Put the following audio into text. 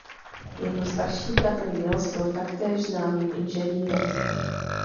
Jeho starší bratr Nils byl taktéž známým inženýrem.